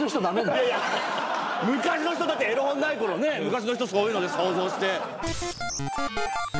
昔の人だってエロ本ない頃ね昔の人そういうので想像して。